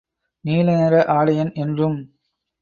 நீலநிற ஆடையன் என்றும்.